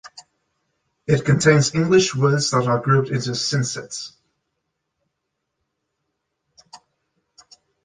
It contains English words that are grouped into synsets.